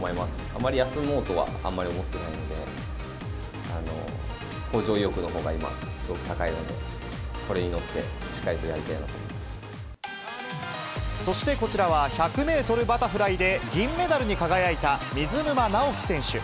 あまり休もうとはあんまり思っていないので、向上意欲のほうが今はすごく高いので、これに乗って、しっかりとそしてこちらは、１００メートルバタフライで銀メダルに輝いた水沼尚輝選手。